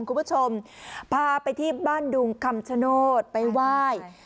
คุณผู้ชมพาไปที่บ้านดุงคำชโนธไปไหว้